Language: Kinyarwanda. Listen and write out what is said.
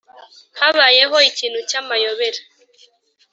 habayeho ikintu cy’amayobera